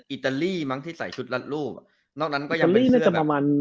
อิตาลีมั้งที่ใส่ชุดรัดรูปนอกนั้นก็ยังเป็นเสื้ออิตาลีน่ะจะประมาณ